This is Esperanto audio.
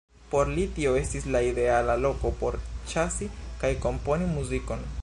Por li tio estis la ideala loko por ĉasi kaj komponi muzikon.